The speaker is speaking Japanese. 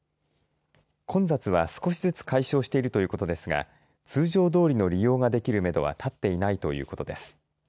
混雑は少しずつ解消しているということですが通常どおりの利用ができるめどは立っていないということです。